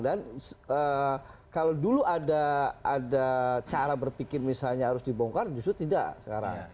dan kalau dulu ada cara berpikir misalnya harus dibongkar justru tidak sekarang